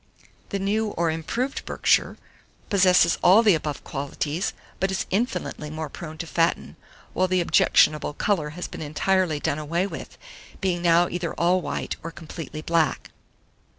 The New or Improved Berkshire possesses all the above qualities, but is infinitely more prone to fatten, while the objectionable colour has been entirely done away with, being now either all white or completely black.